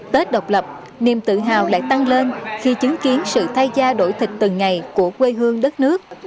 tết độc lập niềm tự hào lại tăng lên khi chứng kiến sự thay gia đổi thịt từng ngày của quê hương đất nước